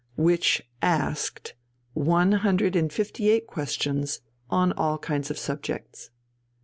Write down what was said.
] which asked one hundred and fifty eight questions on all kinds of subjects.